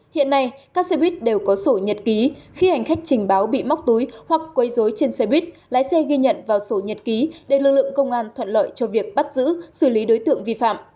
hiện nay các xe buýt đều có sổ nhật ký khi hành khách trình báo bị móc túi hoặc quấy dối trên xe buýt lái xe ghi nhận vào sổ nhật ký để lực lượng công an thuận lợi cho việc bắt giữ xử lý đối tượng vi phạm